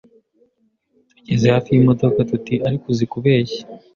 Tugeze hafi yimodoka tuti Ariko uzi kubeshya